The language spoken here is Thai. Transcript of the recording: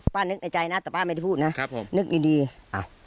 นึกในใจนะแต่ป้าไม่ได้พูดนะครับผมนึกดีดีอ้าว